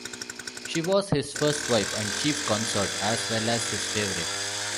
She was his first wife and chief consort as well as his favourite.